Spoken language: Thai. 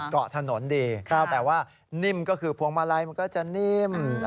เกาะถนนดีแต่ว่านิ่มก็คือพวงมาลัยมันก็จะนิ่ม